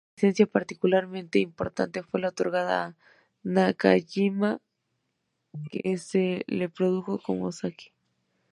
Una licencia particularmente importante fue la otorgada a Nakajima, que lo produjo como Sakae.